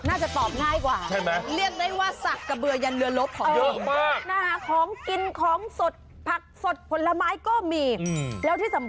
น่าจะตอบง่ายกว่า